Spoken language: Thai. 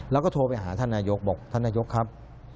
แล้วก็โทรไปหาท่านนายกบอกท่านนายกครับ